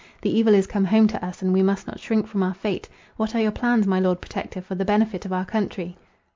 The evil is come home to us, and we must not shrink from our fate. What are your plans, my Lord Protector, for the benefit of our country?"